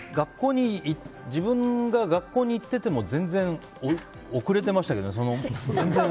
でも自分が学校に行っていても全然遅れてましたけどね。